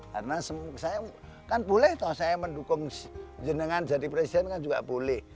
karena saya kan boleh toh saya mendukung jendengan jadi presiden kan juga boleh